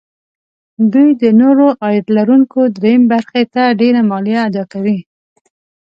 دوی د نورو عاید لرونکو دریم برخې څخه ډېره مالیه اداکوي